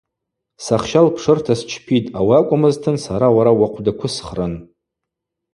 Сахща лпшырта счпитӏ, ауи акӏвмызтын сара уара уахъвдаквысхрын.